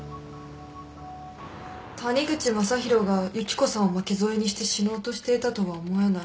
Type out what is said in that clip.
谷口正博が由紀子さんを巻き添えにして死のうとしていたとは思えない。